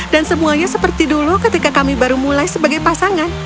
dan semuanya seperti dulu ketika kami baru mulai sebagai pasangan